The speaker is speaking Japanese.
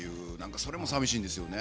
それも、さみしいんですよね。